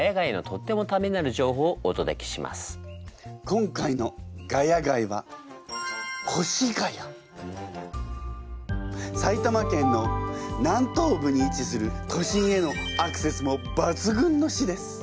今回の「ヶ谷街」は埼玉県の南東部に位置する都心へのアクセスもばつぐんの市です。